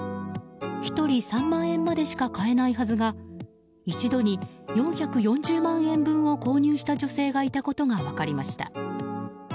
１人３万円までしか買えないはずが一度に４４０万円分を購入した女性がいたことが分かりました。